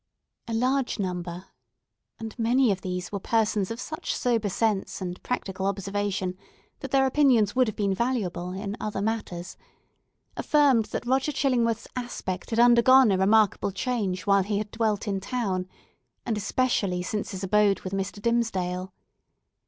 A large number—and many of these were persons of such sober sense and practical observation that their opinions would have been valuable in other matters—affirmed that Roger Chillingworth's aspect had undergone a remarkable change while he had dwelt in town, and especially since his abode with Mr. Dimmesdale.